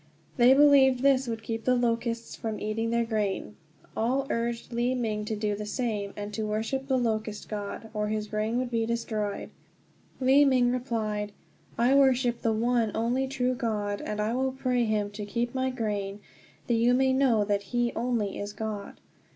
They believed this would keep the locusts from eating their grain. All urged Li ming to do the same, and to worship the locust god, or his grain would be destroyed. Li ming replied: "I worship the one only true God, and I will pray him to keep my grain, that you may know that he only is God."